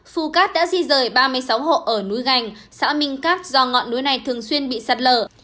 phu cát đã di rời ba mươi sáu hộ ở núi gành xã minh cát do ngọn núi này thường xuyên bị sạt lở